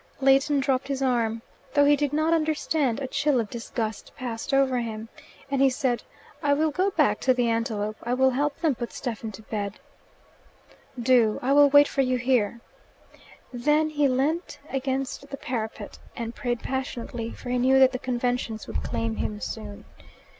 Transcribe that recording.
Leighton dropped his arm. Though he did not understand, a chill of disgust passed over him, and he said, "I will go back to The Antelope. I will help them put Stephen to bed." "Do. I will wait for you here." Then he leant against the parapet and prayed passionately, for he knew that the conventions would claim him soon.